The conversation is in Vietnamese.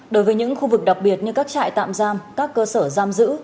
đối với những khu vực đặc biệt như các trại tạm giam các cơ sở giam giữ